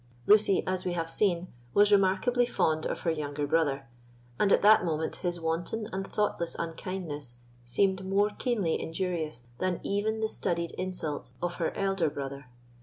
Lucy, as we have seen, was remarkably fond of her younger brother, and at that moment his wanton and thoughtless unkindness seemed more keenly injurious than even the studied insults of her elder brother.